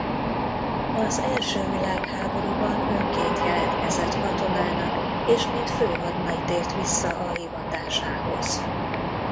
Az első világháborúban önként jelentkezett katonának és mint főhadnagy tért vissza a hivatásához.